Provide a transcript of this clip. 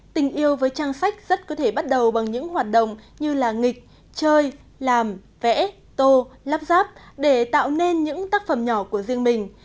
tình yêu với trang sách rất có thể bắt đầu bằng những hoạt động như là nghịch chơi làm vẽ tô lắp ráp để tạo nên những tác phẩm nhỏ của riêng mình